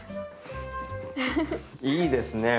いいですね。